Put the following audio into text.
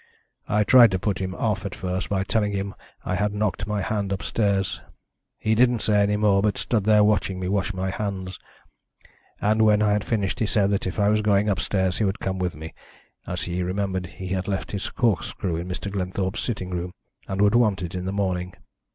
"I tried to put him off at first by telling him I had knocked my hand upstairs. He didn't say any more, but stood there watching me wash my hands, and when I had finished he said that if I was going upstairs he would come with me, as he remembered he had left his corkscrew in Mr. Glenthorpe's sitting room, and would want it in the morning.